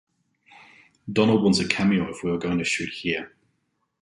Donald wants a cameo if we are going to shoot here.